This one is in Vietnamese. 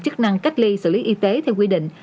chức năng cách ly xử lý y tế theo quy định